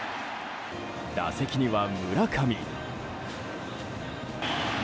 打席には村上。